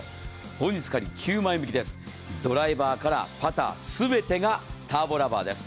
本日限り９万円引きです、ドライバーからパター、全てがターボラバーです。